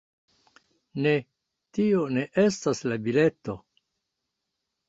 Ne, tio ne estas la bileto